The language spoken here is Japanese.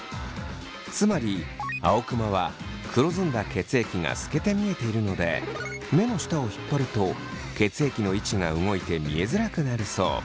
つまり青クマは黒ずんだ血液が透けて見えているので目の下を引っぱると血液の位置が動いて見えづらくなるそう。